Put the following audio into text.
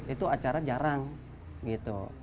itu acara jarang gitu